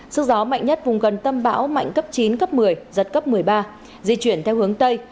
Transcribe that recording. sức gió mạnh nhất vùng gần tâm bão mạnh cấp chín cấp một mươi giật cấp một mươi ba di chuyển theo hướng tây